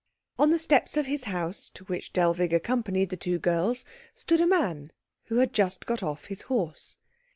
On the steps of his house, to which Dellwig accompanied the two girls, stood a man who had just got off his horse.